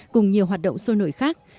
cùng nhiều hoạt động sôi nổi khác